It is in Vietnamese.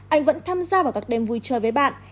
anh vẫn tham gia vào các đêm vui chơi với bạn